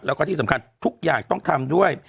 แล้วก็ที่สำคัญทุกอย่างต้องทำด้วย